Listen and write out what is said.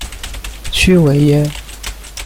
屈维耶。